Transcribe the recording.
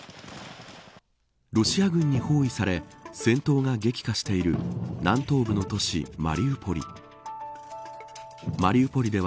ロシア軍に包囲され戦闘が激化している南東部の都市、マリウポリ。